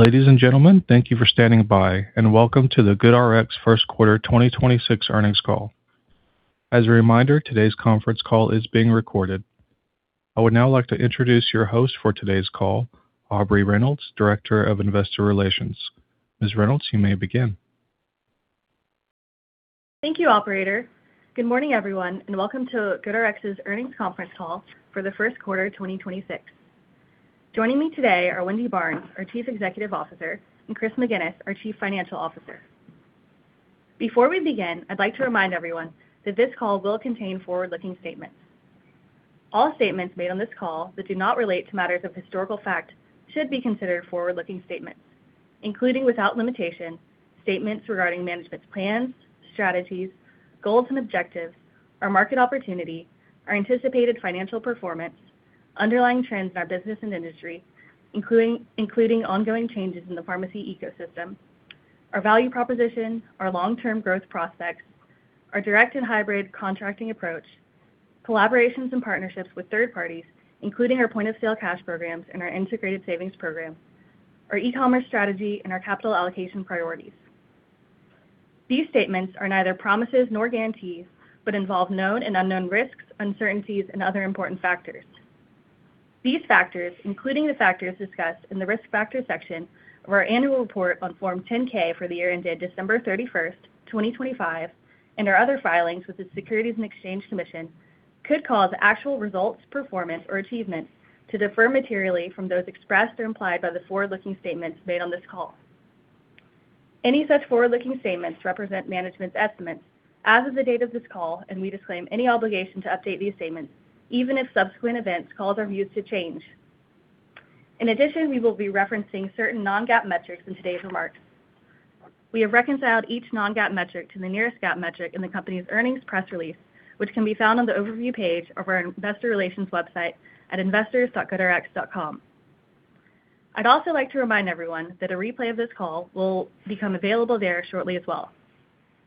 Ladies and gentlemen, thank you for standing by, and welcome to the GoodRx first quarter 2026 earnings call. As a reminder, today's conference call is being recorded. I would now like to introduce your host for today's call, Aubrey Reynolds, Director of Investor Relations. Ms. Reynolds, you may begin. Thank you, operator. Good morning, everyone, and welcome to GoodRx's earnings conference call for the first quarter 2026. Joining me today are Wendy Barnes, our Chief Executive Officer, and Chris McGinnis, our Chief Financial Officer. Before we begin, I'd like to remind everyone that this call will contain forward-looking statements. All statements made on this call that do not relate to matters of historical fact should be considered forward-looking statements, including, without limitation, statements regarding management's plans, strategies, goals and objectives, our market opportunity, our anticipated financial performance, underlying trends in our business and industry, including ongoing changes in the pharmacy ecosystem, our value proposition, our long-term growth prospects, our direct and hybrid contracting approach, collaborations and partnerships with third parties, including our point-of-sale cash programs and our Integrated Savings Program, our e-commerce strategy, and our capital allocation priorities. These statements are neither promises nor guarantees, but involve known and unknown risks, uncertainties, and other important factors. These factors, including the factors discussed in the Risk Factors section of our annual report on Form 10-K for the year ended December 31st, 2025, and our other filings with the Securities and Exchange Commission, could cause actual results, performance or achievements to differ materially from those expressed or implied by the forward-looking statements made on this call. We disclaim any obligation to update these statements, even if subsequent events, [cause of views to change]. In addition, we will be referencing certain non-GAAP metrics in today's remarks. We have reconciled each non-GAAP metric to the nearest GAAP metric in the company's earnings press release, which can be found on the overview page of our investor relations website at investors.goodrx.com. I'd also like to remind everyone that a replay of this call will become available there shortly as well.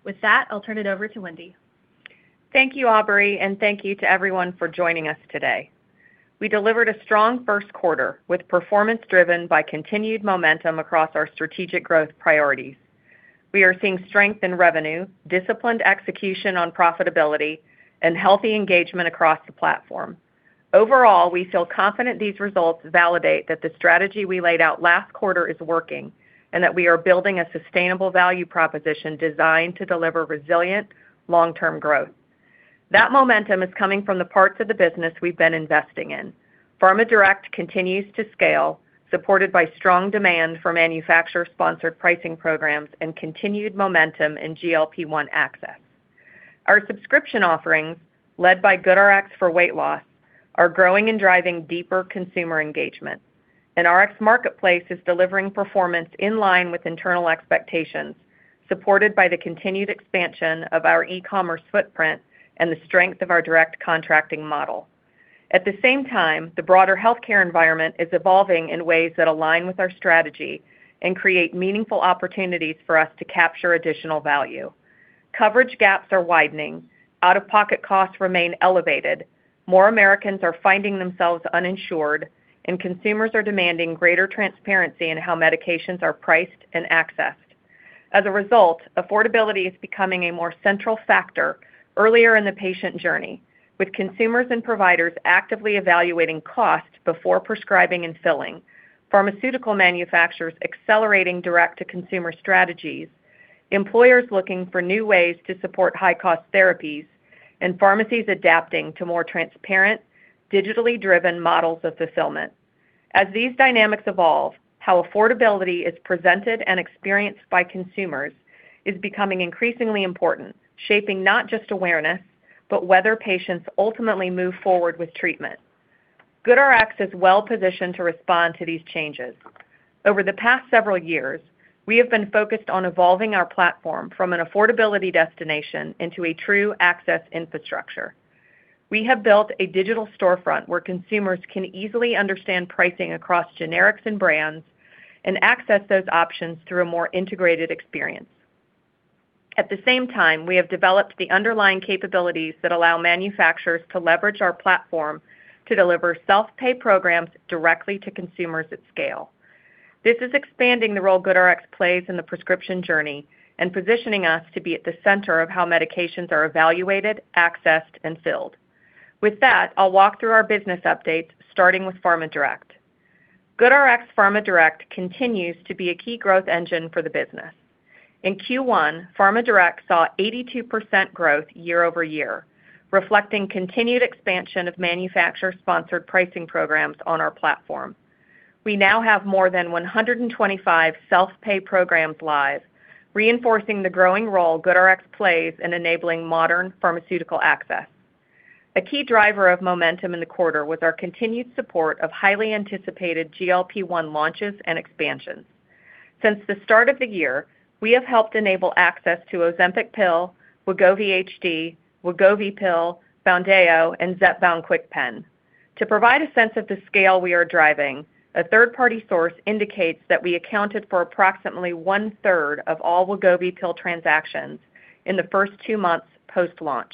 With that, I'll turn it over to Wendy. Thank you, Aubrey, and thank you to everyone for joining us today. We delivered a strong 1st quarter with performance driven by continued momentum across our strategic growth priorities. We are seeing strength in revenue, disciplined execution on profitability and healthy engagement across the platform. Overall, we feel confident these results validate that the strategy we laid out last quarter is working and that we are building a sustainable value proposition designed to deliver resilient long-term growth. That momentum is coming from the parts of the business we've been investing in. Pharma Direct continues to scale, supported by strong demand for manufacturer sponsored pricing programs and continued momentum in GLP-1 access. Our subscription offerings, led by GoodRx for Weight Loss, are growing and driving deeper consumer engagement. RxMarketplace is delivering performance in line with internal expectations, supported by the continued expansion of our e-commerce footprint and the strength of our direct contracting model. At the same time, the broader healthcare environment is evolving in ways that align with our strategy and create meaningful opportunities for us to capture additional value. Coverage gaps are widening. Out-of-pocket costs remain elevated. More Americans are finding themselves uninsured, and consumers are demanding greater transparency in how medications are priced and accessed. As a result, affordability is becoming a more central factor earlier in the patient journey, with consumers and providers actively evaluating costs before prescribing and filling, pharmaceutical manufacturers accelerating direct to consumer strategies, employers looking for new ways to support high cost therapies, and pharmacies adapting to more transparent, digitally driven models of fulfillment. As these dynamics evolve, how affordability is presented and experienced by consumers is becoming increasingly important, shaping not just awareness, but whether patients ultimately move forward with treatment. GoodRx is well positioned to respond to these changes. Over the past several years, we have been focused on evolving our platform from an affordability destination into a true access infrastructure. We have built a digital storefront where consumers can easily understand pricing across generics and brands and access those options through a more integrated experience. At the same time, we have developed the underlying capabilities that allow manufacturers to leverage our platform to deliver self-pay programs directly to consumers at scale. This is expanding the role GoodRx plays in the prescription journey and positioning us to be at the center of how medications are evaluated, accessed, and filled. With that, I'll walk through our business updates starting with Pharma Direct. GoodRx Pharma Direct continues to be a key growth engine for the business. In Q1, Pharma Direct saw 82% growth year-over-year, reflecting continued expansion of manufacturer sponsored pricing programs on our platform. We now have more than 125 self-pay programs live, reinforcing the growing role GoodRx plays in enabling modern pharmaceutical access. A key driver of momentum in the quarter was our continued support of highly anticipated GLP-1 launches and expansions. Since the start of the year, we have helped enable access to Ozempic pill, Wegovy HD, Wegovy pill, Zepbound, and Zepbound KwikPen. To provide a sense of the scale we are driving, a third party source indicates that we accounted for approximately one-third of all Wegovy pill transactions in the first two months post-launch.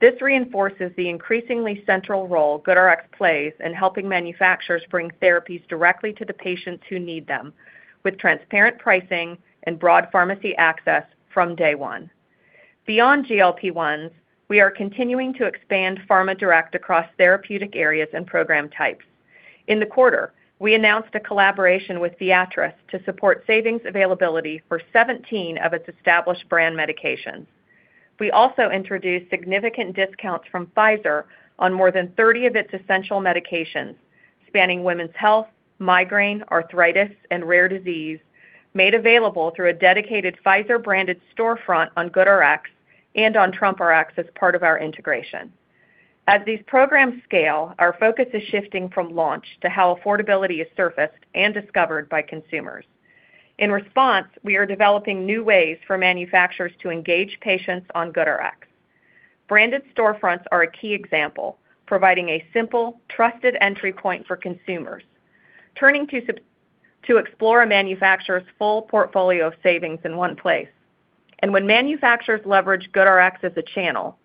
This reinforces the increasingly central role GoodRx plays in helping manufacturers bring therapies directly to the patients who need them, with transparent pricing and broad pharmacy access from day one. Beyond GLP-1s, we are continuing to expand Pharma Direct across therapeutic areas and program types. In the quarter, we announced a collaboration with Viatris to support savings availability for 17 of its established brand medications. We also introduced significant discounts from Pfizer on more than 30 of its essential medications, spanning women's health, migraine, arthritis, and rare disease, made available through a dedicated Pfizer-branded storefront on GoodRx and on TrumpRx as part of our integration. As these programs scale, our focus is shifting from launch to how affordability is surfaced and discovered by consumers. In response, we are developing new ways for manufacturers to engage patients on GoodRx. Branded storefronts are a key example, providing a simple, trusted entry point for consumers. Turning to explore a manufacturer's full portfolio of savings in one place. When manufacturers leverage GoodRx as a channel,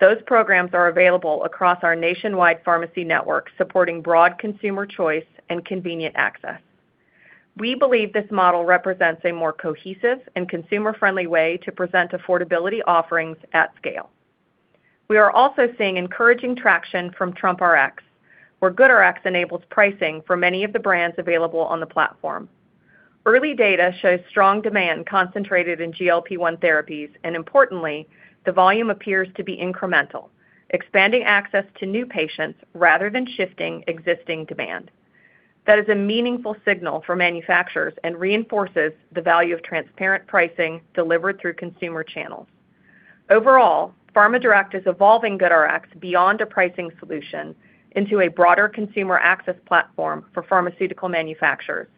those programs are available across our nationwide pharmacy network, supporting broad consumer choice and convenient access. We believe this model represents a more cohesive and consumer-friendly way to present affordability offerings at scale. We are also seeing encouraging traction from TrumpRx, where GoodRx enables pricing for many of the brands available on the platform. Early data shows strong demand concentrated in GLP-1 therapies, and importantly, the volume appears to be incremental, expanding access to new patients rather than shifting existing demand. That is a meaningful signal for manufacturers and reinforces the value of transparent pricing delivered through consumer channels. Overall, Pharma Direct is evolving GoodRx beyond a pricing solution into a broader consumer access platform for pharmaceutical manufacturers,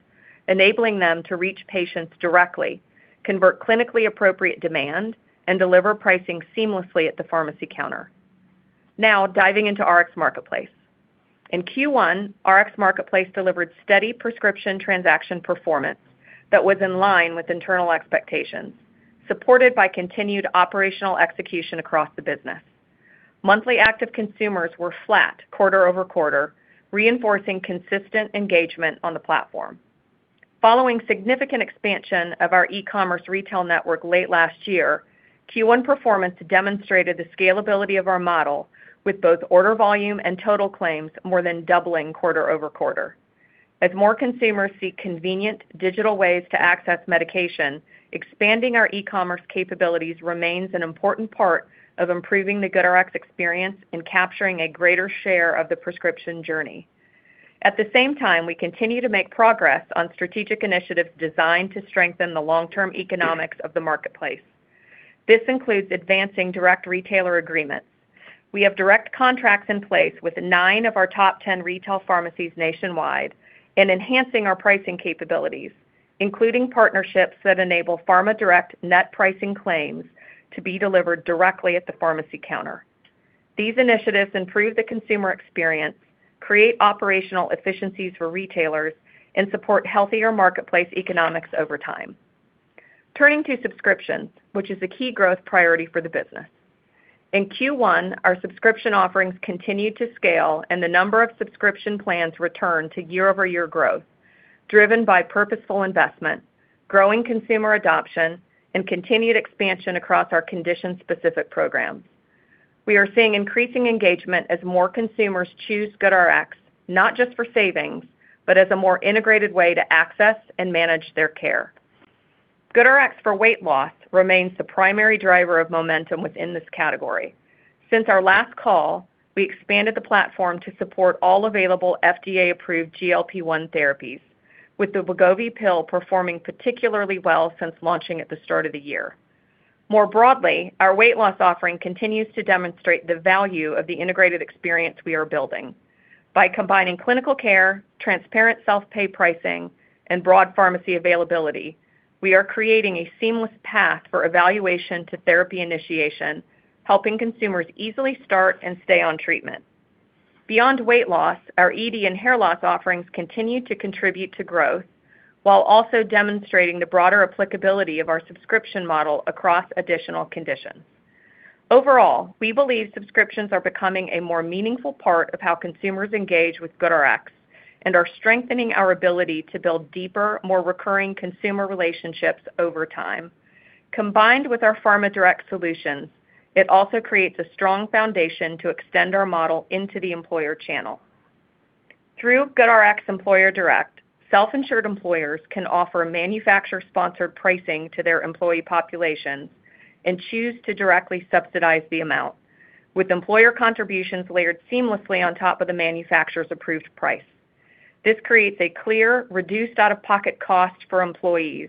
enabling them to reach patients directly, convert clinically appropriate demand, and deliver pricing seamlessly at the pharmacy counter. Now, diving into Rx Marketplace. In Q1, Rx Marketplace delivered steady prescription transaction performance that was in line with internal expectations, supported by continued operational execution across the business. Monthly active consumers were flat quarter-over-quarter, reinforcing consistent engagement on the platform. Following significant expansion of our e-commerce retail network late last year, Q1 performance demonstrated the scalability of our model with both order volume and total claims more than doubling quarter-over-quarter. As more consumers seek convenient digital ways to access medication, expanding our e-commerce capabilities remains an important part of improving the GoodRx experience and capturing a greater share of the prescription journey. At the same time, we continue to make progress on strategic initiatives designed to strengthen the long-term economics of the marketplace. This includes advancing direct retailer agreements. We have direct contracts in place with nine of our top 10 retail pharmacies nationwide and enhancing our pricing capabilities, including partnerships that enable Pharma Direct net pricing claims to be delivered directly at the pharmacy counter. These initiatives improve the consumer experience, create operational efficiencies for retailers, and support healthier marketplace economics over time. Turning to subscriptions, which is a key growth priority for the business. In Q1, our subscription offerings continued to scale and the number of subscription plans returned to year-over-year growth, driven by purposeful investment, growing consumer adoption, and continued expansion across our condition-specific programs. We are seeing increasing engagement as more consumers choose GoodRx, not just for savings, but as a more integrated way to access and manage their care. GoodRx for Weight Loss remains the primary driver of momentum within this category. Since our last call, we expanded the platform to support all available FDA-approved GLP-1 therapies, with the Wegovy pill performing particularly well since launching at the start of the year. More broadly, our weight loss offering continues to demonstrate the value of the integrated experience we are building. By combining clinical care, transparent self-pay pricing, and broad pharmacy availability, we are creating a seamless path for evaluation to therapy initiation, helping consumers easily start and stay on treatment. Beyond weight loss, our ED and hair loss offerings continue to contribute to growth while also demonstrating the broader applicability of our subscription model across additional conditions. Overall, we believe subscriptions are becoming a more meaningful part of how consumers engage with GoodRx and are strengthening our ability to build deeper, more recurring consumer relationships over time. Combined with our Pharma Direct solutions, it also creates a strong foundation to extend our model into the employer channel. Through GoodRx Employer Direct, self-insured employers can offer manufacturer-sponsored pricing to their employee populations and choose to directly subsidize the amount, with employer contributions layered seamlessly on top of the manufacturer's approved price. This creates a clear, reduced out-of-pocket cost for employees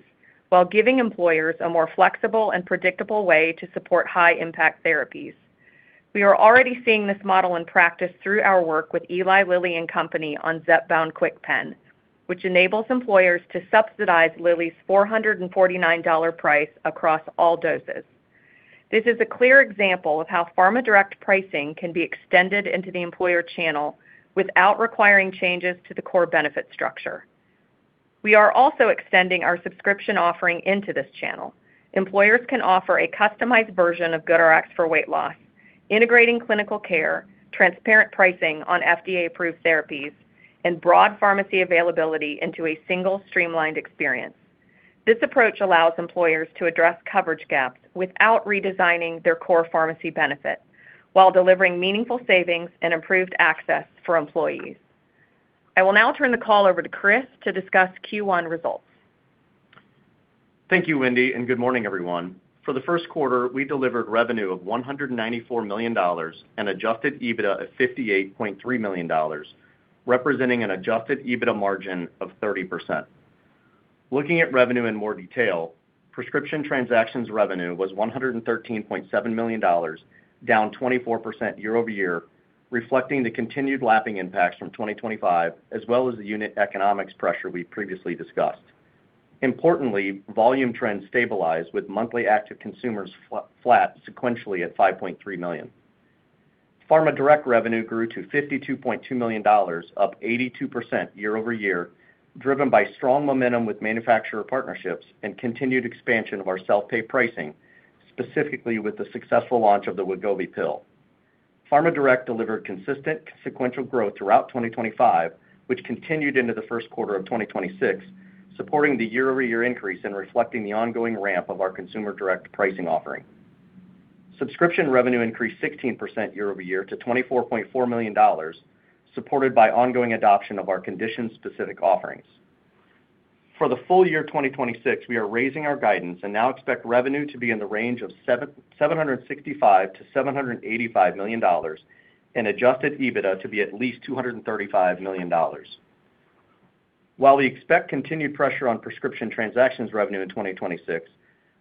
while giving employers a more flexible and predictable way to support high-impact therapies. We are already seeing this model in practice through our work with Eli Lilly and Company on Zepbound KwikPen, which enables employers to subsidize Lilly's $449 price across all doses. This is a clear example of how Pharma Direct pricing can be extended into the employer channel without requiring changes to the core benefit structure. We are also extending our subscription offering into this channel. Employers can offer a customized version of GoodRx for Weight Loss, integrating clinical care, transparent pricing on FDA-approved therapies, and broad pharmacy availability into a single streamlined experience. This approach allows employers to address coverage gaps without redesigning their core pharmacy benefit while delivering meaningful savings and improved access for employees. I will now turn the call over to Chris to discuss Q1 results. Thank you, Wendy, and good morning, everyone. For the first quarter, we delivered revenue of $194 million and Adjusted EBITDA of $58.3 million, representing an Adjusted EBITDA margin of 30%. Looking at revenue in more detail, prescription transactions revenue was $113.7 million, down 24% year-over-year, reflecting the continued lapping impacts from 2025 as well as the unit economics pressure we previously discussed. Importantly, volume trends stabilized with monthly active consumers flat sequentially at 5.3 million. Pharma Direct revenue grew to $52.2 million, up 82% year-over-year, driven by strong momentum with manufacturer partnerships and continued expansion of our self-pay pricing, specifically with the successful launch of the Wegovy pill. Pharma Direct delivered consistent sequential growth throughout 2025, which continued into the first quarter of 2026, supporting the year-over-year increase and reflecting the ongoing ramp of our consumer direct pricing offering. Subscription revenue increased 16% year-over-year to $24.4 million, supported by ongoing adoption of our condition-specific offerings. For the full year 2026, we are raising our guidance and now expect revenue to be in the range of $765 million-$785 million and Adjusted EBITDA to be at least $235 million. While we expect continued pressure on prescription transactions revenue in 2026,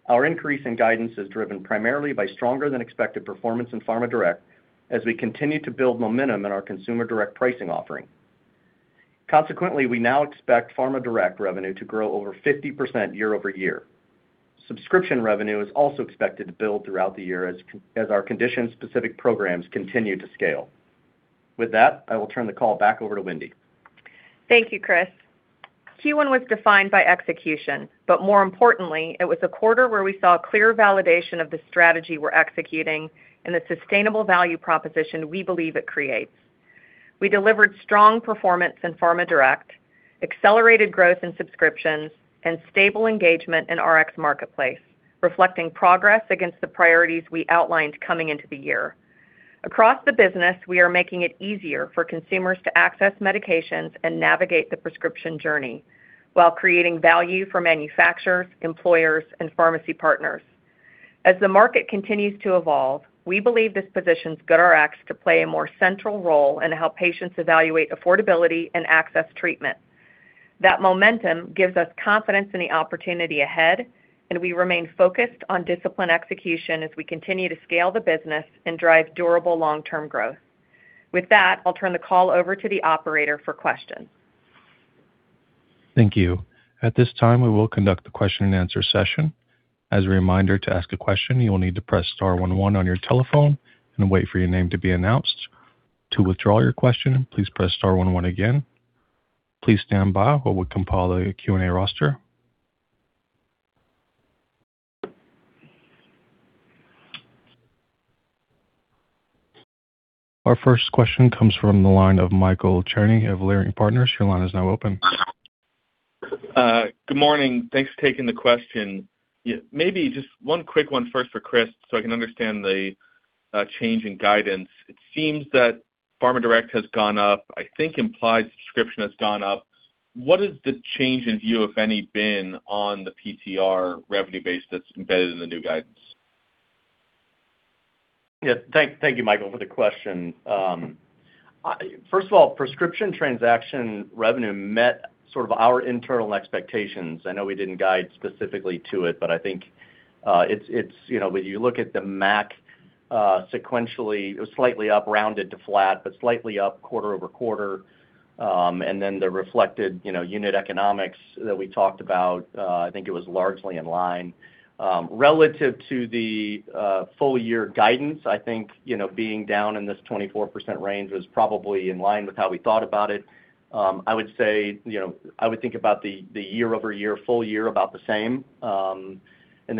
our increase in guidance is driven primarily by stronger than expected performance in Pharma Direct as we continue to build momentum in our consumer direct pricing offering. Consequently, we now expect Pharma Direct revenue to grow over 50% year-over-year. Subscription revenue is also expected to build throughout the year as our condition-specific programs continue to scale. With that, I will turn the call back over to Wendy. Thank you, Chris. Q1 was defined by execution, but more importantly, it was a quarter where we saw clear validation of the strategy we're executing and the sustainable value proposition we believe it creates. We delivered strong performance in Pharma Direct, accelerated growth in subscriptions, and stable engagement in Rx Marketplace, reflecting progress against the priorities we outlined coming into the year. Across the business, we are making it easier for consumers to access medications and navigate the prescription journey while creating value for manufacturers, employers, and pharmacy partners. As the market continues to evolve, we believe this positions GoodRx to play a more central role and help patients evaluate affordability and access treatment. That momentum gives us confidence in the opportunity ahead, and we remain focused on disciplined execution as we continue to scale the business and drive durable long-term growth. With that, I'll turn the call over to the operator for questions. Thank you. At this time, we will conduct the question and answer session. As a reminder, to ask a question, you will need to press star 1 1 on your telephone and wait for your name to be announced. To withdraw your question, please press star 1 1 again. Please stand by while we compile a Q&A roster. Our first question comes from the line of Michael Cherny of Leerink Partners. Your line is now open. Good morning. Thanks for taking the question. Maybe just one quick one first for Chris, so I can understand the change in guidance. It seems that Pharma Direct has gone up. I think implied subscription has gone up. What is the change in view, if any, been on the PTR revenue base that's embedded in the new guidance? Yeah. Thank you, Michael, for the question. First of all, prescription transaction revenue met sort of our internal expectations. I know we didn't guide specifically to it, I think it's You know, when you look at the MAC, sequentially, it was slightly up rounded to flat, but slightly up quarter-over-quarter. The reflected, you know, unit economics that we talked about, I think it was largely in line. Relative to the full year guidance, I think, you know, being down in this 24% range was probably in line with how we thought about it. I would say, you know, I would think about the year-over-year full year about the same.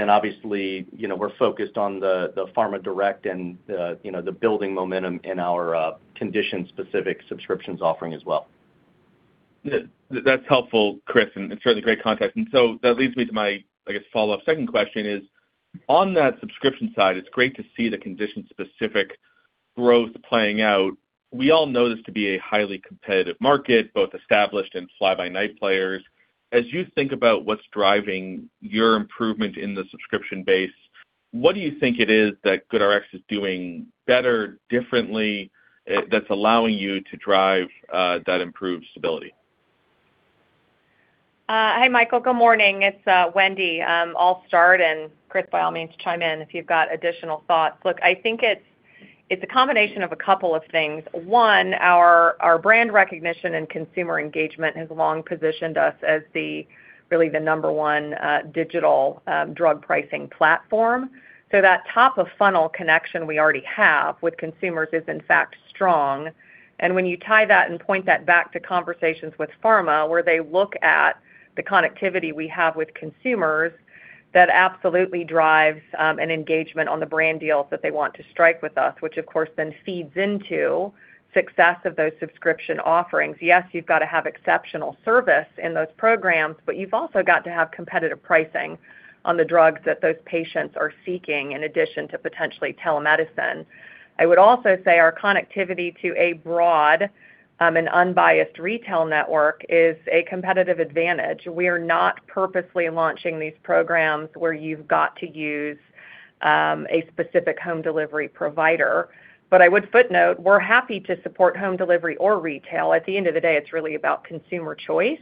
Obviously, you know, we're focused on the Pharma Direct and the, you know, the building momentum in our condition specific subscriptions offering as well. That's helpful, Chris. It's really great context. That leads me to my, I guess, follow-up. Second question is, on that subscription side, it's great to see the condition specific growth playing out. We all know this to be a highly competitive market, both established and fly-by-night players. As you think about what's driving your improvement in the subscription base, what do you think it is that GoodRx is doing better differently that's allowing you to drive that improved stability? Hi, Michael. Good morning. It's Wendy. I'll start, and Chris, by all means, chime in if you've got additional thoughts. Look, I think it's a combination of a couple of things. One, our brand recognition and consumer engagement has long positioned us as really the number one digital drug pricing platform. That top of funnel connection we already have with consumers is in fact strong. When you tie that and point that back to conversations with pharma, where they look at the connectivity we have with consumers, that absolutely drives an engagement on the brand deals that they want to strike with us, which of course then feeds into success of those subscription offerings. Yes, you've got to have exceptional service in those programs, but you've also got to have competitive pricing on the drugs that those patients are seeking in addition to potentially telemedicine. I would also say our connectivity to a broad, and unbiased retail network is a competitive advantage. We are not purposely launching these programs where you've got to use, a specific home delivery provider. I would footnote, we're happy to support home delivery or retail. At the end of the day, it's really about consumer choice.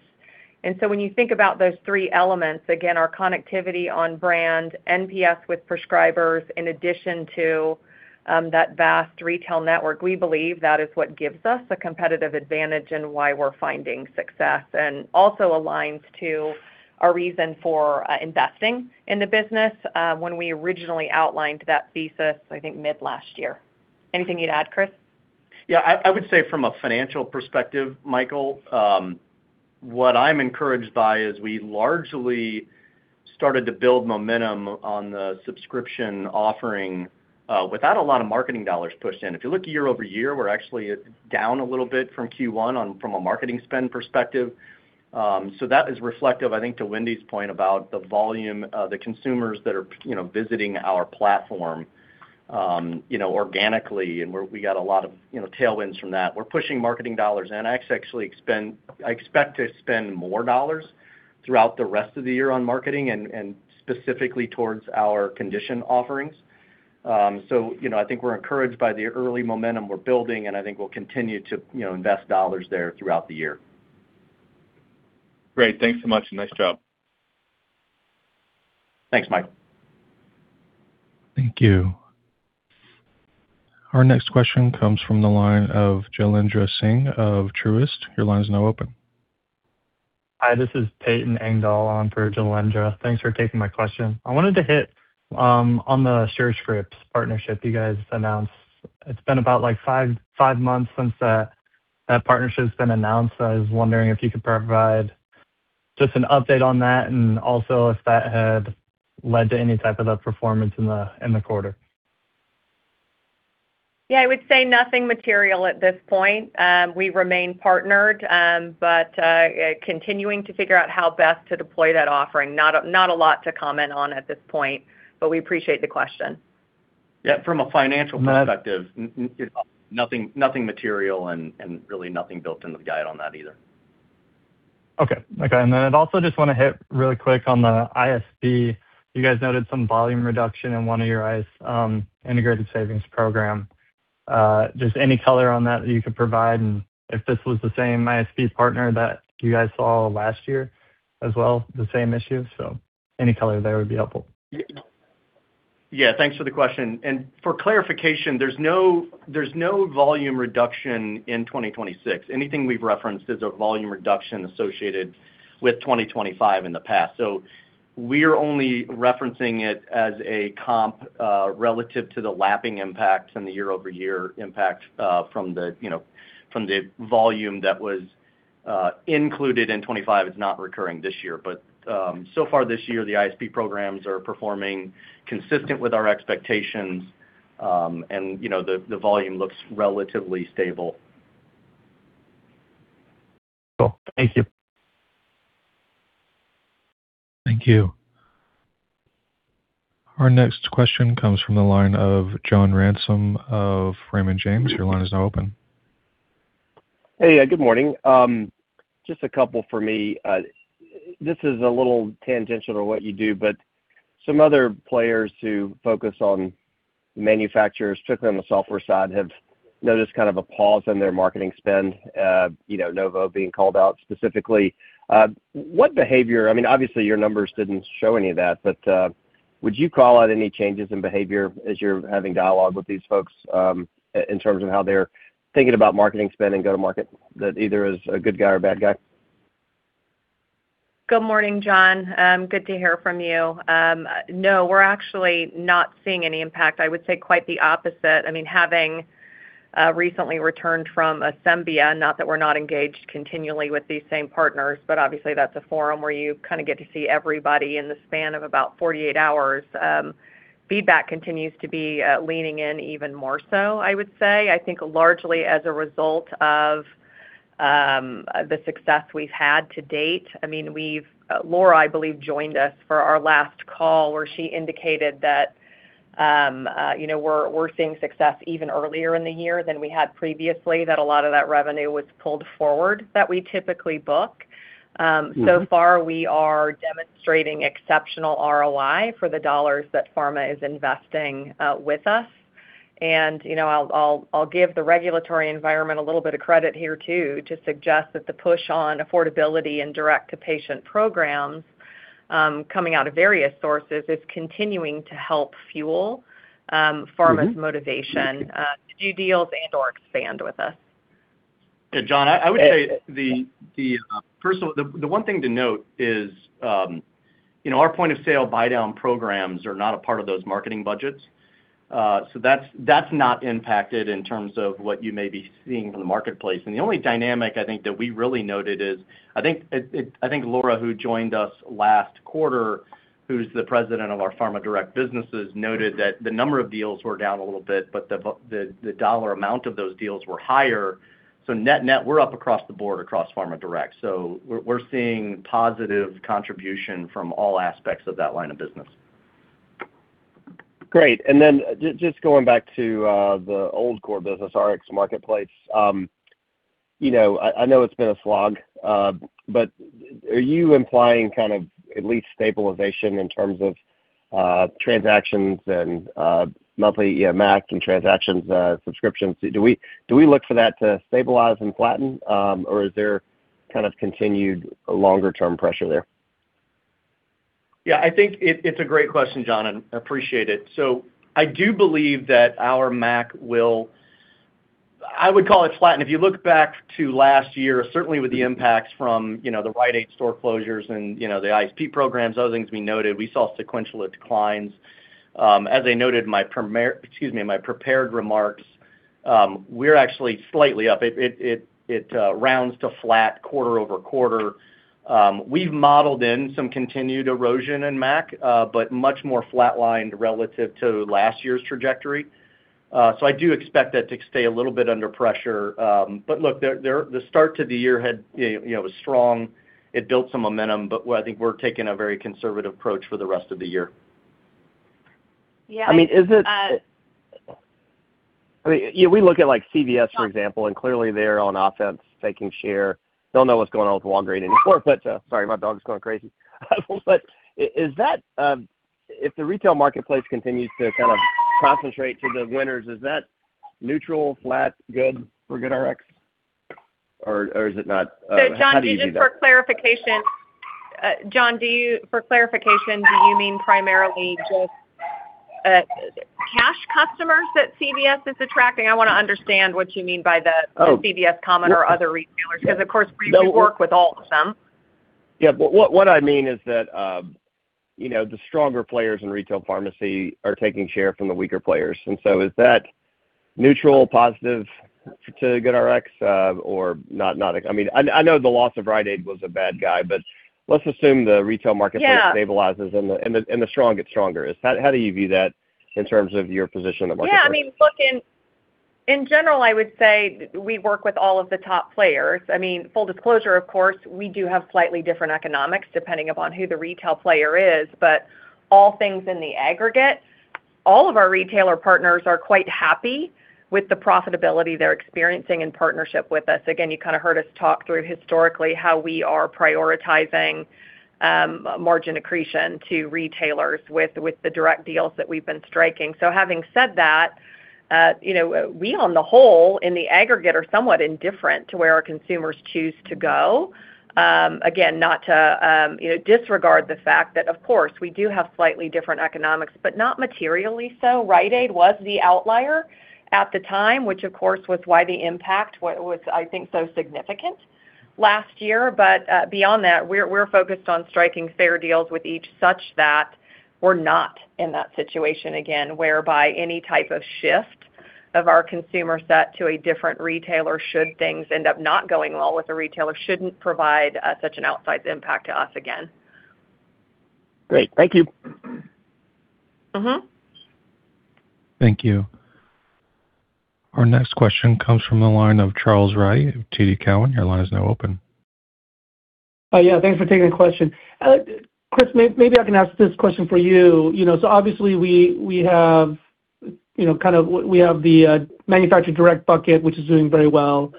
When you think about those three elements, again, our connectivity on brand, NPS with prescribers, in addition to that vast retail network, we believe that is what gives us a competitive advantage and why we're finding success, and also aligns to our reason for investing in the business, when we originally outlined that thesis, I think mid-last year. Anything you'd add, Chris? Yeah. I would say from a financial perspective, Michael, what I'm encouraged by is we largely started to build momentum on the subscription offering without a lot of marketing dollars pushed in. If you look year-over-year, we're actually down a little bit from Q1 from a marketing spend perspective. That is reflective, I think, to Wendy's point about the volume of the consumers that are, you know, visiting our platform, you know, organically. We got a lot of, you know, tailwinds from that. We're pushing marketing dollars in. I actually expect to spend more dollars throughout the rest of the year on marketing and specifically towards our condition offerings. I think we're encouraged by the early momentum we're building, and I think we'll continue to, you know, invest dollars there throughout the year. Great. Thanks so much, and nice job. Thanks, Mike. Thank you. Our next question comes from the line of Jailendra Singh of Truist. Your line is now open. Hi, this is Payton Engdahl on for Jailendra. Thanks for taking my question. I wanted to hit on the Surescripts partnership you guys announced. It's been about, like, five months since that partnership's been announced. I was wondering if you could provide just an update on that, and also if that had led to any type of a performance in the quarter. Yeah, I would say nothing material at this point. We remain partnered, but continuing to figure out how best to deploy that offering. Not a lot to comment on at this point, but we appreciate the question. Yeah. Nothing, nothing material and really nothing built into the guide on that either. Okay. Okay. I'd also just wanna hit really quick on the ISP. You guys noted some volume reduction in one of your Integrated Savings Program. Just any color on that that you could provide, and if this was the same ISP partner that you guys saw last year as well, the same issue. Any color there would be helpful. Yeah. Thanks for the question. For clarification, there's no volume reduction in 2026. Anything we've referenced is a volume reduction associated with 2025 in the past. We're only referencing it as a comp relative to the lapping impact and the year-over-year impact from the, you know, from the volume that was included in 2025 is not recurring this year. So far this year, the ISP programs are performing consistent with our expectations, and, you know, the volume looks relatively stable. Cool. Thank you. Thank you. Our next question comes from the line of John Ransom of Raymond James. Your line is now open. Hey. Good morning. Just a couple for me. This is a little tangential to what you do, some other players who focus on manufacturers, particularly on the software side, have noticed kind of a pause in their marketing spend, you know, Novo being called out specifically. I mean, obviously, your numbers didn't show any of that, would you call out any changes in behavior as you're having dialogue with these folks, in terms of how they're thinking about marketing spend and go to market that either is a good guy or a bad guy? Good morning, John. Good to hear from you. No, we're actually not seeing any impact. I would say quite the opposite. I mean, having recently returned from Asembia, not that we're not engaged continually with these same partners, but obviously that's a forum where you kinda get to see everybody in the span of about 48 hours. Feedback continues to be leaning in even more so, I would say. I think largely as a result of the success we've had to date. I mean, Laura, I believe, joined us for our last call, where she indicated that, you know, we're seeing success even earlier in the year than we had previously, that a lot of that revenue was pulled forward that we typically book. So far, we are demonstrating exceptional ROI for the dollars that pharma is investing with us. You know, I'll give the regulatory environment a little bit of credit here, too, to suggest that the push on affordability and direct-to-patient programs coming out of various sources is continuing to help fuel pharma's motivation to do deals and/or expand with us. Yeah, John, I would say the one thing to note is, you know, our point of sale buydown programs are not a part of those marketing budgets. That's not impacted in terms of what you may be seeing from the marketplace. The only dynamic I think that we really noted is, I think Laura, who joined us last quarter, who's the president of our Pharma Direct businesses, noted that the number of deals were down a little bit, but the dollar amount of those deals were higher. Net-net, we're up across the board across Pharma Direct. We're seeing positive contribution from all aspects of that line of business. Great. Just going back to the old core business, Rx Marketplace. You know, I know it's been a slog, but are you implying kind of at least stabilization in terms of transactions and monthly, yeah, MAC and transactions, subscriptions? Do we look for that to stabilize and flatten? Or is there kind of continued longer term pressure there? I think it's a great question, John, and appreciate it. I do believe that our MAC will, I would call it flatten. If you look back to last year, certainly with the impacts from, you know, the Rite Aid store closures and, you know, the ISP programs, those things we noted, we saw sequential declines. As I noted in my prepared remarks, we're actually slightly up. It rounds to flat quarter-over-quarter. We've modeled in some continued erosion in MAC, much more flatlined relative to last year's trajectory. I do expect that to stay a little bit under pressure. Look, there, the start to the year, you know, was strong. It built some momentum, but, well, I think we're taking a very conservative approach for the rest of the year. Yeah. I mean, yeah, we look at like CVS, for example, and clearly they're on offense taking share. Don't know what's going on with Walgreens anymore, but, sorry, my dog's going crazy. Is that, if the retail marketplace continues to kind of concentrate to the winners, is that neutral, flat, good for GoodRx? Or is it not? How do you view that? John, just for clarification, John, for clarification, do you mean primarily just cash customers that CVS is attracting? I wanna understand what you mean by the CVS comment or other retailers because of course we do work with all of them. Yeah. What I mean is that, you know, the stronger players in retail pharmacy are taking share from the weaker players. Is that neutral, positive to GoodRx? I mean, I know the loss of Rite Aid was a bad guy, but let's assume the retail marketplace. Yeah stabilizes and the strong gets stronger. How do you view that in terms of your position in the marketplace? Yeah, I mean, look, in general, I would say we work with all of the top players. I mean, full disclosure, of course, we do have slightly different economics depending upon who the retail player is, but all things in the aggregate, all of our retailer partners are quite happy with the profitability they're experiencing in partnership with us. Again, you kind of heard us talk through historically how we are prioritizing margin accretion to retailers with the direct deals that we've been striking. Having said that, you know, we on the whole in the aggregate are somewhat indifferent to where our consumers choose to go. Again, not to, you know, disregard the fact that, of course, we do have slightly different economics, but not materially so. Rite Aid was the outlier at the time, which of course was why the impact was I think so significant last year. Beyond that, we're focused on striking fair deals with each such that we're not in that situation again, whereby any type of shift of our consumer set to a different retailer should things end up not going well with the retailer shouldn't provide such an outsized impact to us again. Great. Thank you. Thank you. Our next question comes from the line of Charles Rhyee of TD Cowen. Your line is now open. Yeah, thanks for taking the question. Chris, maybe I can ask this question for you. You know, obviously we have, you know, kind of we have the manufacturer direct bucket, which is doing very well.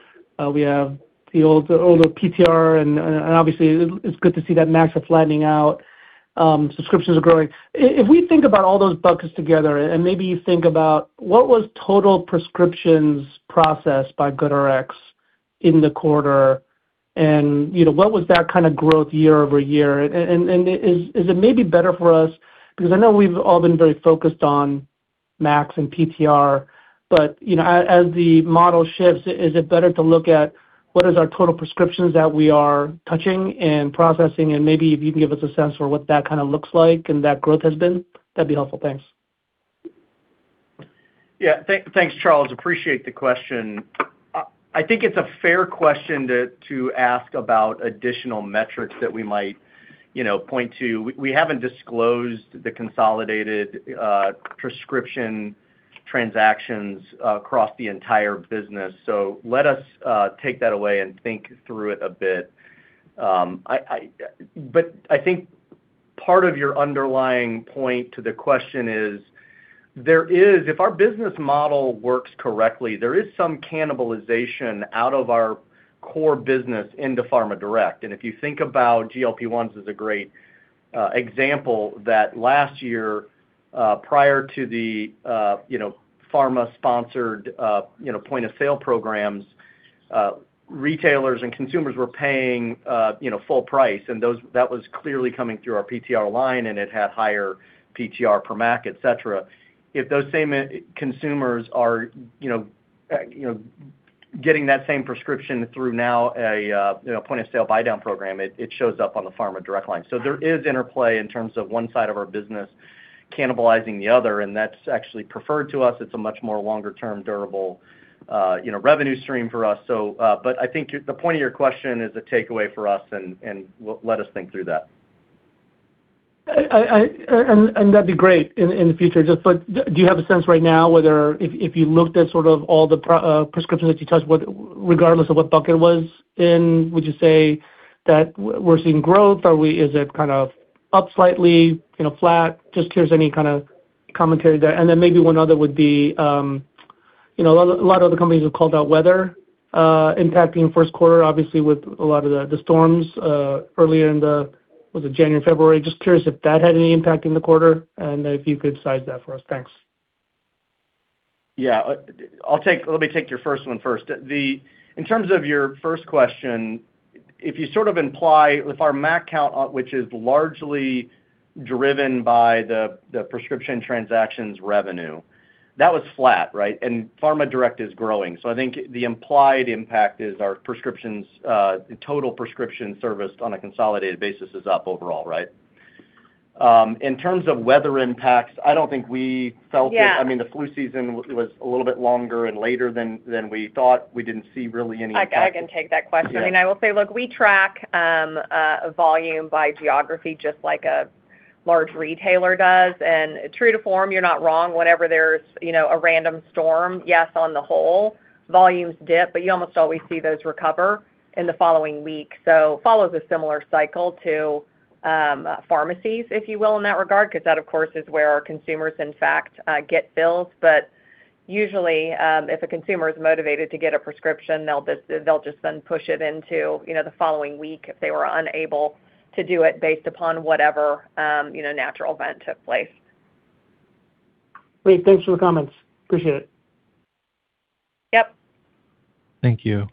We have the old PTR and obviously it's good to see that MAC flattening out. Subscriptions are growing. If we think about all those buckets together and maybe you think about what was total prescriptions processed by GoodRx in the quarter, and, you know, what was that kind of growth year-over-year? Is it maybe better for us, because I know we've all been very focused on MACs and PTR, you know, as the model shifts, is it better to look at what is our total prescriptions that we are touching and processing, and maybe if you can give us a sense for what that kind of looks like and that growth has been, that'd be helpful. Thanks. Yeah. Thanks, Charles. Appreciate the question. I think it's a fair question to ask about additional metrics that we might, you know, point to. We haven't disclosed the consolidated prescription transactions across the entire business, so let us take that away and think through it a bit. I think part of your underlying point to the question is if our business model works correctly, there is some cannibalization out of our core business into Pharma Direct. If you think about GLP-1s as a great example, that last year, prior to the, you know, pharma-sponsored, you know, point of sale programs, retailers and consumers were paying, you know, full price, and that was clearly coming through our PTR line, and it had higher PTR per MAC, et cetera. If those same consumers are, you know, Getting that same prescription through now a, you know, point-of-sale buydown program, it shows up on the Pharma Direct line. There is interplay in terms of one side of our business cannibalizing the other, and that's actually preferred to us. It's a much more longer-term durable, you know, revenue stream for us. But I think the point of your question is a takeaway for us, and we'll let us think through that. I, and that'd be great in the future. Just, do you have a sense right now whether if you looked at sort of all the prescriptions that you touched, regardless of what bucket it was in, would you say that we're seeing growth? Is it kind of up slightly, you know, flat? Just curious any kind of commentary there. Maybe one other would be, you know, a lot of other companies have called out weather impacting first quarter, obviously, with a lot of the storms earlier in the Was it January, February? Just curious if that had any impact in the quarter, and if you could size that for us. Thanks. Yeah. Let me take your first one first. In terms of your first question, if you sort of imply with our MAC count, which is largely driven by the prescription transactions revenue, that was flat, right? Pharma Direct is growing. I think the implied impact is our prescriptions, total prescription serviced on a consolidated basis is up overall, right? In terms of weather impacts, I don't think we felt it. Yeah. I mean, the flu season was a little bit longer and later than we thought. We didn't see really any impact. I can take that question. Yeah. I mean, I will say, look, we track volume by geography just like a large retailer does. True to form, you're not wrong. Whenever there's, you know, a random storm, yes, on the whole, volumes dip, but you almost always see those recover in the following week. Follows a similar cycle to pharmacies, if you will, in that regard, 'cause that, of course, is where our consumers, in fact, get bills. Usually, if a consumer is motivated to get a prescription, they'll just then push it into, you know, the following week if they were unable to do it based upon whatever natural event took place. Great. Thanks for the comments. Appreciate it. Yep. Thank you.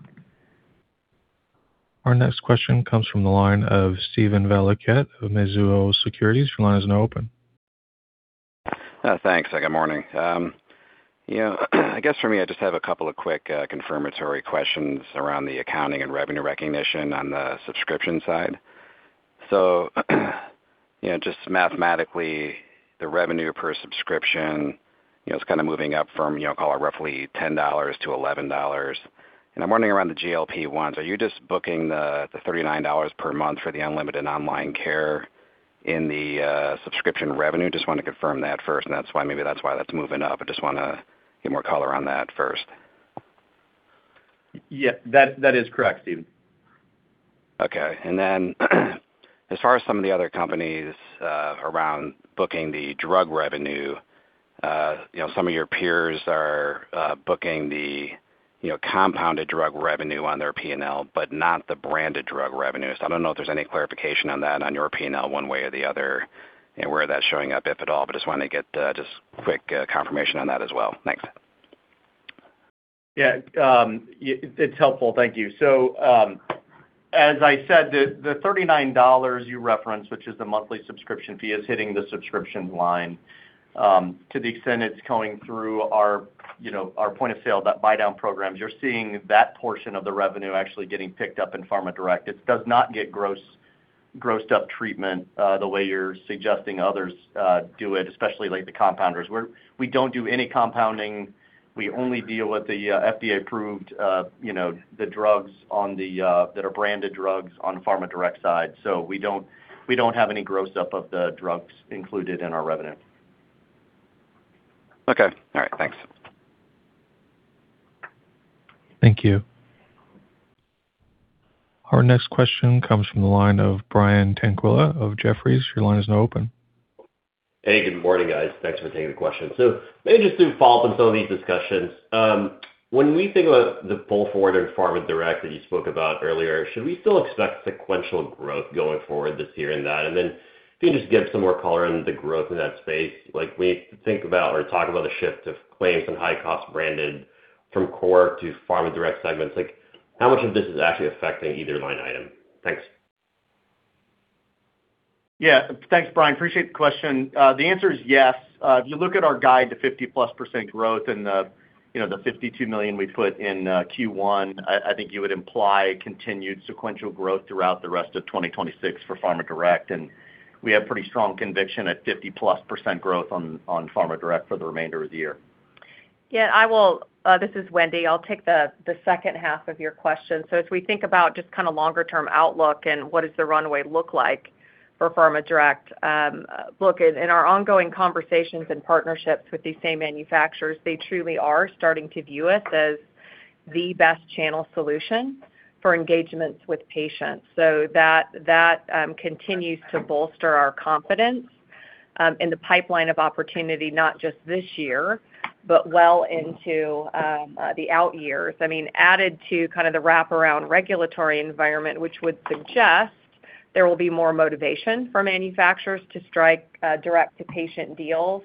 Our next question comes from the line of Steven Valiquette of Mizuho Securities. Your line is now open. Thanks. Good morning. You know, I guess for me, I just have a couple of quick confirmatory questions around the accounting and revenue recognition on the subscription side. You know, just mathematically, the revenue per subscription, you know, it's kinda moving up from, you know, call it roughly $10-$11. I'm wondering around the GLP-1s. Are you just booking the $39 per month for the unlimited online care in the subscription revenue? Just wanna confirm that first, maybe that's why that's moving up. I just wanna get more color on that first. Yeah, that is correct, Steven. Okay. As far as some of the other companies, around booking the drug revenue, you know, some of your peers are booking the, you know, compounded drug revenue on their P&L, but not the branded drug revenue. I don't know if there's any clarification on that on your P&L one way or the other and where that's showing up, if at all. Just wanted to get, just quick, confirmation on that as well. Thanks. It's helpful. Thank you. As I said, the $39 you referenced, which is the monthly subscription fee, is hitting the subscription line. To the extent it's coming through our, you know, our point of sale, that buydown programs. You're seeing that portion of the revenue actually getting picked up in Pharma Direct. It does not get grossed-up treatment the way you're suggesting others do it, especially like the compounders. We don't do any compounding. We only deal with the FDA-approved, you know, the drugs on the that are branded drugs on Pharma Direct side. We don't, we don't have any gross up of the drugs included in our revenue. Okay. All right. Thanks. Thank you. Our next question comes from the line of Brian Tanquilut of Jefferies. Hey, good morning, guys. Thanks for taking the question. Maybe just to follow up on some of these discussions. When we think about the pull forward in Pharma Direct that you spoke about earlier, should we still expect sequential growth going forward this year in that? If you can just give some more color on the growth in that space. Like, when we think about or talk about a shift of claims and high cost branded from Core to Pharma Direct segments, like, how much of this is actually affecting either line item? Thanks. Yeah. Thanks, Brian. Appreciate the question. The answer is yes. If you look at our guide to 50% plus growth and the, you know, the $52 million we put in Q1, I think you would imply continued sequential growth throughout the rest of 2026 for Pharma Direct. We have pretty strong conviction at 50%+ growth on Pharma Direct for the remainder of the year. Yeah, I will, this is Wendy. I'll take the second half of your question. As we think about just kind of longer term outlook and what does the runway look like for Pharma Direct, look, in our ongoing conversations and partnerships with these same manufacturers, they truly are starting to view us as the best channel solution for engagements with patients. That continues to bolster our confidence in the pipeline of opportunity, not just this year, but well into the out years. I mean, added to kind of the wraparound regulatory environment, which would suggest there will be more motivation for manufacturers to strike direct-to-patient deals.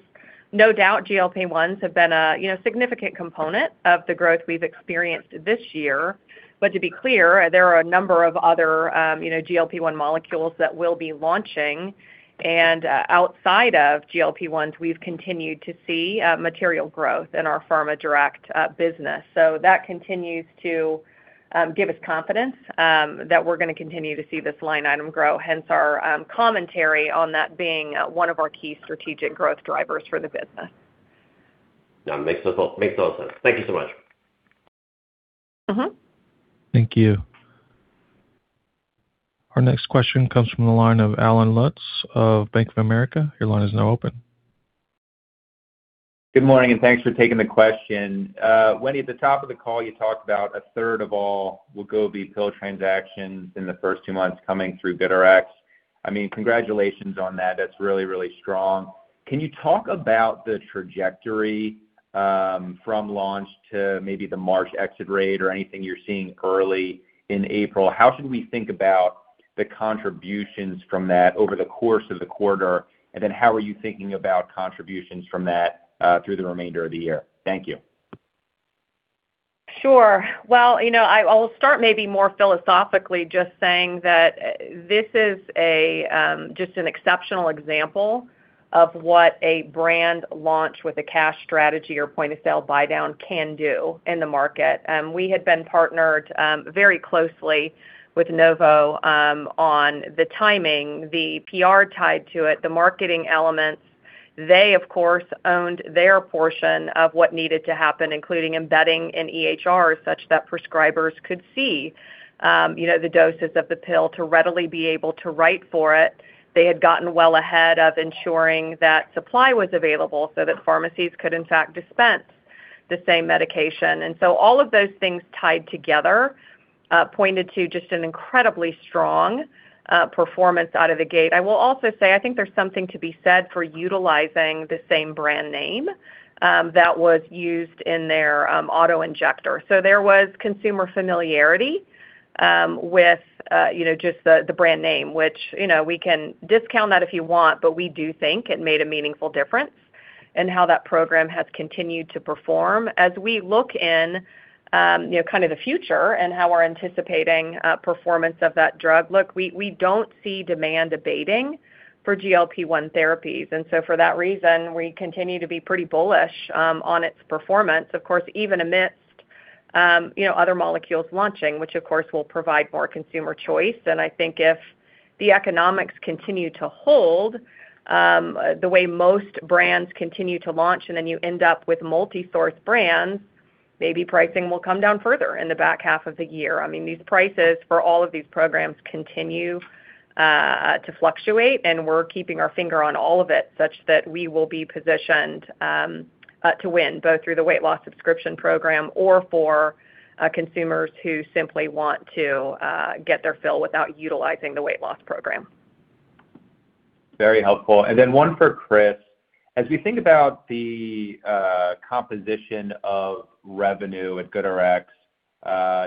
No doubt, GLP-1s have been a, you know, significant component of the growth we've experienced this year. To be clear, there are a number of other, you know, GLP-1 molecules that we'll be launching. Outside of GLP-1s, we've continued to see material growth in our Pharma Direct business. That continues to give us confidence that we're gonna continue to see this line item grow, hence our commentary on that being one of our key strategic growth drivers for the business. No, makes a lot of sense. Thank you so much. Thank you. Our next question comes from the line of Allen Lutz of Bank of America. Your line is now open. Good morning. Thanks for taking the question. Wendy, at the top of the call, you talked about a third of all Wegovy pill transactions in the first two months coming through GoodRx. I mean, congratulations on that. That's really strong. Can you talk about the trajectory from launch to maybe the March exit rate or anything you're seeing early in April? How should we think about the contributions from that over the course of the quarter? Then how are you thinking about contributions from that through the remainder of the year? Thank you. Sure. Well, you know, I'll start maybe more philosophically just saying that this is a just an exceptional example of what a brand launch with a cash strategy or point-of-sale buydown can do in the market. We had been partnered very closely with Novo on the timing, the PR tied to it, the marketing elements. They, of course, owned their portion of what needed to happen, including embedding in EHR such that prescribers could see, you know, the doses of the pill to readily be able to write for it. They had gotten well ahead of ensuring that supply was available so that pharmacies could, in fact, dispense the same medication. All of those things tied together pointed to just an incredibly strong performance out of the gate. I will also say, I think there's something to be said for utilizing the same brand name that was used in their auto-injector. There was consumer familiarity with, you know, just the brand name, which, you know, we can discount that if you want, but we do think it made a meaningful difference in how that program has continued to perform. As we look in, you know, kind of the future and how we're anticipating performance of that drug, look, we don't see demand abating for GLP-1 therapies. For that reason, we continue to be pretty bullish on its performance, of course, even amidst, you know, other molecules launching, which, of course, will provide more consumer choice. I think if the economics continue to hold, the way most brands continue to launch, and then you end up with multi-source brands, maybe pricing will come down further in the back half of the year. I mean, these prices for all of these programs continue to fluctuate, and we're keeping our finger on all of it such that we will be positioned to win, both through the weight loss subscription program or for consumers who simply want to get their fill without utilizing the weight loss program. Very helpful. Then one for Chris. As we think about the composition of revenue at GoodRx,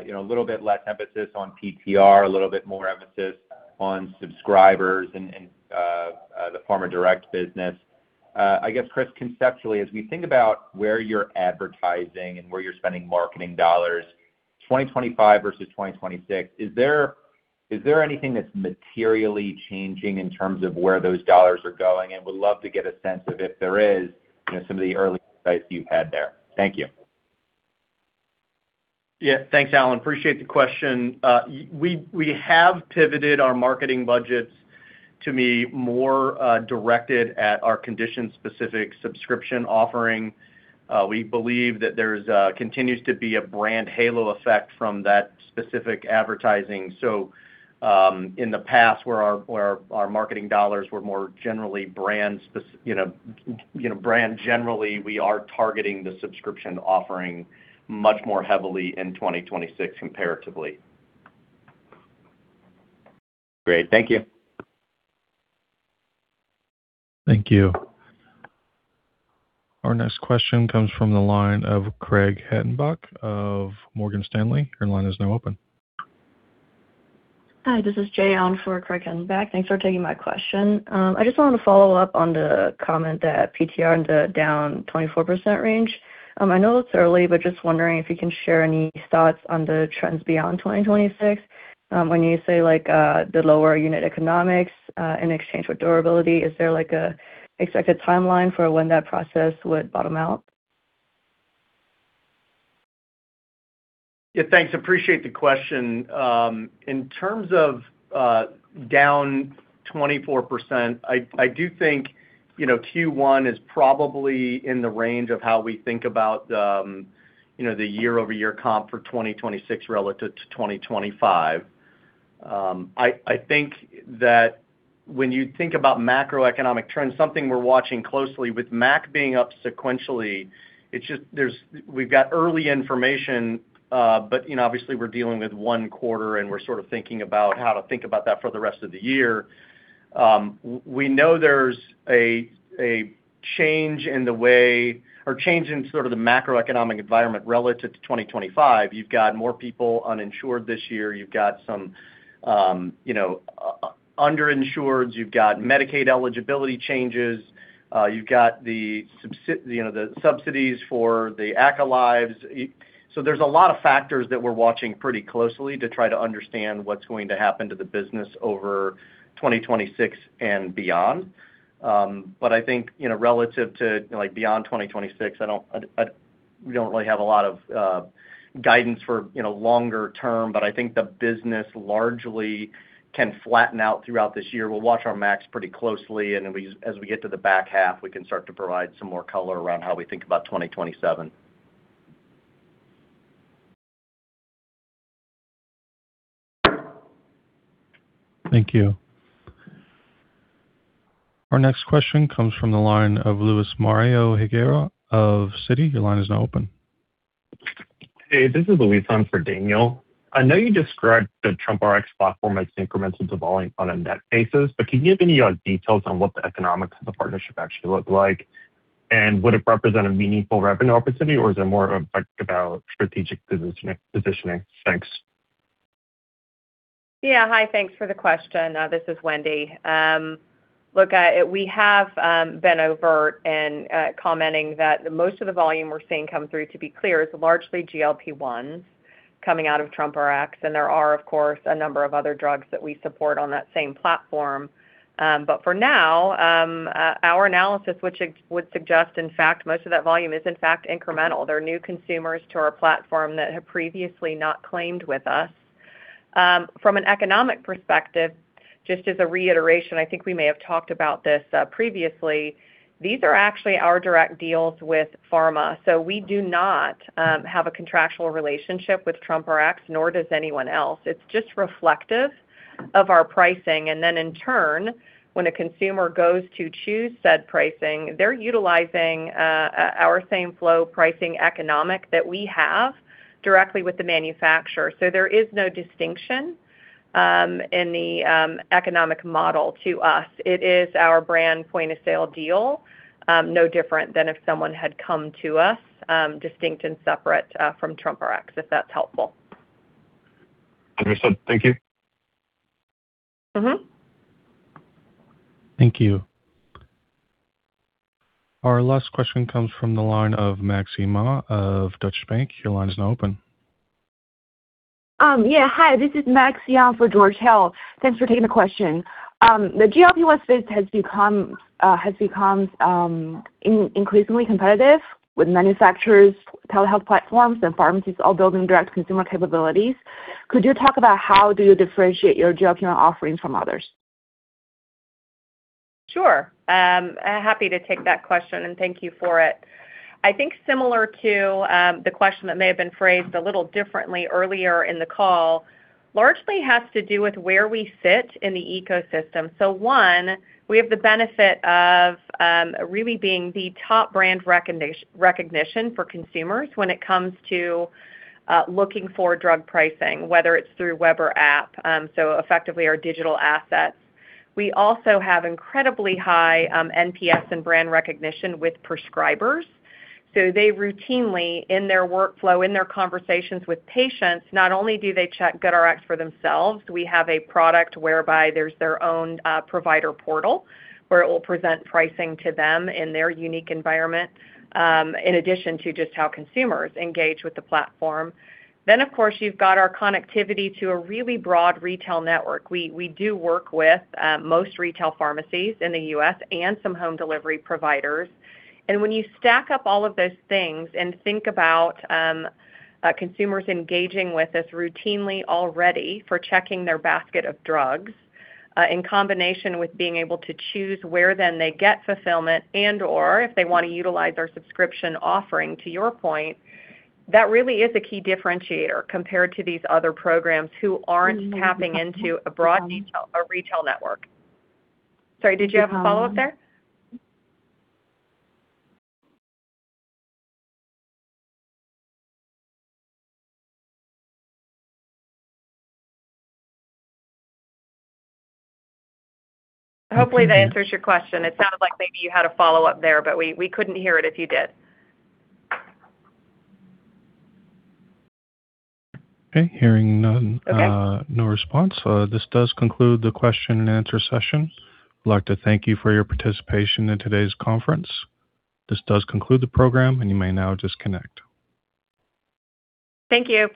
you know, a little bit less emphasis on PTR, a little bit more emphasis on subscribers and the Pharma Direct business. I guess, Chris, conceptually, as we think about where you're advertising and where you're spending marketing dollars, 2025 versus 2026, is there anything that's materially changing in terms of where those dollars are going? Would love to get a sense of if there is, you know, some of the early insights you've had there. Thank you. Thanks, Allen. Appreciate the question. We have pivoted our marketing budgets to be more directed at our condition-specific subscription offering. We believe that there's continues to be a brand Halo effect from that specific advertising. In the past, where our marketing dollars were more generally brand spec, you know, brand generally, we are targeting the subscription offering much more heavily in 2026 comparatively. Great. Thank you. Thank you. Our next question comes from the line of Craig Hettenbach of Morgan Stanley. Hi, this is [Jaye] on for Craig Hettenbach. Thanks for taking my question. I just wanted to follow up on the comment that PTR in the down 24% range. I know it's early, but just wondering if you can share any thoughts on the trends beyond 2026. When you say like, the lower unit economics, in exchange for durability, is there like a expected timeline for when that process would bottom out? Yeah, thanks. Appreciate the question. In terms of down 24%, I do think, you know, Q1 is probably in the range of how we think about, you know, the year-over-year comp for 2026 relative to 2025. I think that when you think about macroeconomic trends, something we're watching closely with MAC being up sequentially, it's just there's we've got early information, but, you know, obviously we're dealing with 1 quarter, and we're sort of thinking about how to think about that for the rest of the year. We know there's a change in the way or change in sort of the macroeconomic environment relative to 2025. You've got more people uninsured this year. You've got some, you know, underinsured. You've got Medicaid eligibility changes. You've got the, you know, subsidies for the ACA lives. There's a lot of factors that we're watching pretty closely to try to understand what's going to happen to the business over 2026 and beyond. I think, you know, relative to, like, beyond 2026, I don't, we don't really have a lot of guidance for, you know, longer term, but I think the business largely can flatten out throughout this year. We'll watch our max pretty closely. As we get to the back half, we can start to provide some more color around how we think about 2027. Thank you. Our next question comes from the line of Luismario Higuera of Citi. Your line is now open. Hey, this is Luis. I'm for Daniel. I know you described the TrumpRx platform as incremental to volume on a net basis, but can you give any details on what the economics of the partnership actually look like? Would it represent a meaningful revenue opportunity, or is it more about strategic positioning? Thanks. Yeah. Hi. Thanks for the question. This is Wendy. We have been overt in commenting that most of the volume we're seeing come through, to be clear, is largely GLP-1s coming out of TrumpRx. There are, of course, a number of other drugs that we support on that same platform. For now, our analysis would suggest, in fact, most of that volume is in fact incremental. They're new consumers to our platform that have previously not claimed with us. From an economic perspective, just as a reiteration, I think we may have talked about this previously, these are actually our direct deals with pharma. We do not have a contractual relationship with TrumpRx, nor does anyone else. It's just reflective of our pricing. In turn, when a consumer goes to choose said pricing, they're utilizing our same flow pricing economic that we have directly with the manufacturer. There is no distinction in the economic model to us. It is our brand point-of-sale deal, no different than if someone had come to us distinct and separate from TrumpRx, if that's helpful. Understood. Thank you. Thank you. Our last question comes from the line of [Maxine Ma] of Deutsche Bank. Your line is now open. Yeah. Hi, this is [Maxine Ma] for George Hill. Thanks for taking the question. The GLP-1 space has become increasingly competitive with manufacturers, telehealth platforms, and pharmacies all building direct consumer capabilities. Could you talk about how do you differentiate your GLP-1 offerings from others? Sure. Happy to take that question, and thank you for it. I think similar to the question that may have been phrased a little differently earlier in the call, largely has to do with where we sit in the ecosystem. One, we have the benefit of really being the top brand recognition for consumers when it comes to looking for drug pricing, whether it's through web or app, so effectively our digital assets. We also have incredibly high NPS and brand recognition with prescribers. They routinely, in their workflow, in their conversations with patients, not only do they check GoodRx for themselves, we have a product whereby there's their own provider portal, where it will present pricing to them in their unique environment, in addition to just how consumers engage with the platform. Of course, you've got our connectivity to a really broad retail network. We do work with most retail pharmacies in the U.S. and some home delivery providers. When you stack up all of those things and think about consumers engaging with us routinely already for checking their basket of drugs, in combination with being able to choose where then they get fulfillment and/or if they wanna utilize our subscription offering, to your point, that really is a key differentiator compared to these other programs who aren't tapping into a broad retail network. Sorry, did you have a follow-up there? Hopefully that answers your question. It sounded like maybe you had a follow-up there, but we couldn't hear it if you did. Okay. Hearing none. Okay. No response. This does conclude the question and answer session. I'd like to thank you for your participation in today's conference. This does conclude the program, and you may now disconnect. Thank you.